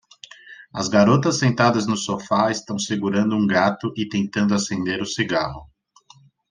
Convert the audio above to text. As garotas sentadas no sofá estão segurando um gato e tentando acender um cigarro.